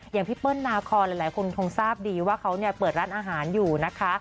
อย่างพี่เปิ้ลนาคอนหลายคนคงทราบดีว่าเขาเปิดร้านอาหารอยู่นะคะ